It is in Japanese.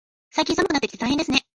最近、寒くなってきて大変ですね。